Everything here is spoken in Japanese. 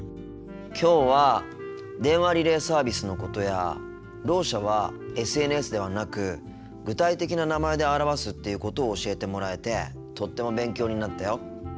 きょうは電話リレーサービスのことやろう者はＳＮＳではなく具体的な名前で表すっていうことを教えてもらえてとっても勉強になったよ。